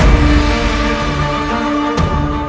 kau ingin menangkan aku